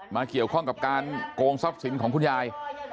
มาเขียวข้องกับการโกงสอบสินของคุณยาย